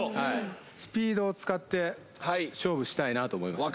スピードを使って勝負したいなと思います